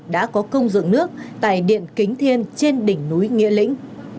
đã có công dựng nước tại điện kính thiên trên đỉnh núi nghĩa lĩnh